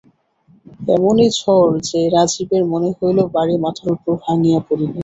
এমনি ঝড় যে রাজীবের মনে হইল, বাড়ি মাথার উপর ভাঙিয়া পড়িবে।